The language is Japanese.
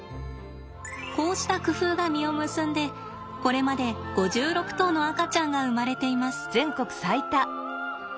こうした工夫が実を結んでこれまで５６頭の赤ちゃんが生まれています。